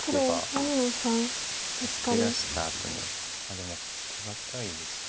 でも手堅いです。